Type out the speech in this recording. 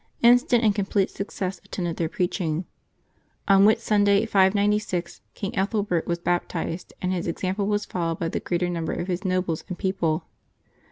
Instant and complete success attended their preaching. On Whit Sunday, 596, King Ethelbert was baptized, and his example was followed by the greater number of his nobles and people.